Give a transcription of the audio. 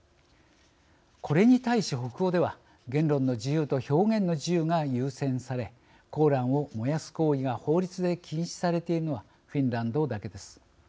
これに対し北欧では言論の自由と表現の自由が優先され「コーラン」を燃やす行為が法律で禁止されているのはフィンランドだけです。